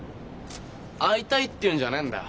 会いたいっていうんじゃねえんだ。